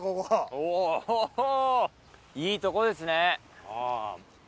おぉいいとこですね。